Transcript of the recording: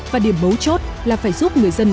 và điểm bấu chốt là phải giúp người dân